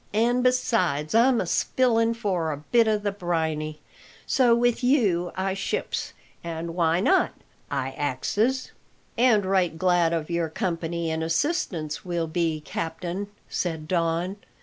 "An' besides I'm a spilin' for a bit o' the briny, so with you I ships an' why not? I axes." "And right glad of your company and assistance we'll be, captain," said Don.